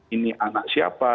ini anak siapa